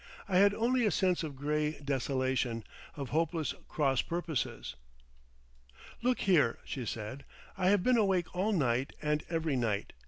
I had only a sense of grey desolation, of hopeless cross purposes. "Look here," she said. "I have been awake all night and every night.